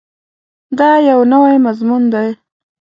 دا یو نوی مضمون دی.